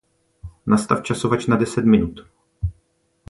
Nastav časovač na deset minut.